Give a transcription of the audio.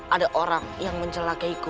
ada orang yang mencelakai ku